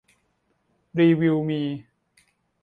รีวิวมี